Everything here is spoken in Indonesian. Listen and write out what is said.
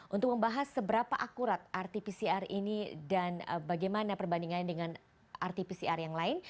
untuk membahas seberapa akurat rt pcr ini dan bagaimana perbandingannya dengan rt pcr yang lain